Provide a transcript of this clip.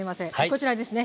こちらですね